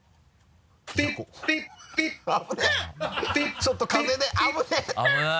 ちょっと風で危ない！